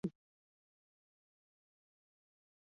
Argentina, Paraguai, Uruguai, Brasil eta Bolivian bizi dira.